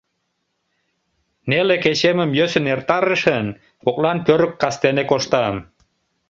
Неле кечемым йӧсын эртарышын, Коклан пӧрык кастене коштам.